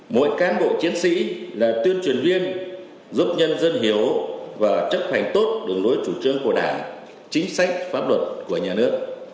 mỗi cán bộ chiến sĩ là tuyên truyền viên giúp nhân dân hiểu và chấp hành tốt đường lối chủ trương của đảng chính sách pháp luật của nhà nước